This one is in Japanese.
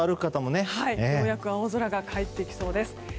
ようやく青空が帰ってきそうです。